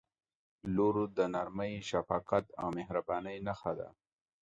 • لور د نرمۍ، شفقت او مهربانۍ نښه ده.